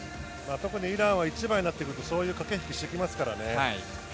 特にイランは１枚になってくるとそういう駆け引きしてきますからね。